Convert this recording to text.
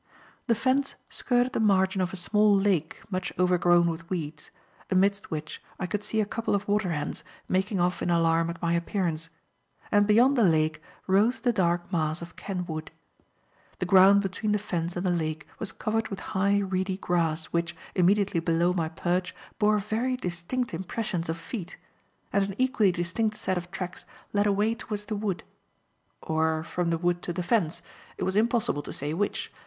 The fence skirted the margin of a small lake much overgrown with weeds, amidst which I could see a couple of waterhens making off in alarm at my appearance, and beyond the lake rose the dark mass of Ken Wood. The ground between the fence and the lake was covered with high, reedy grass, which, immediately below my perch, bore very distinct impressions of feet, and an equally distinct set of tracks led away towards the wood or from the wood to the fence; it was impossible to say which.